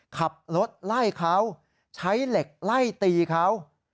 ขับรถไล่เขาใช้เหล็กไล่ตีเขา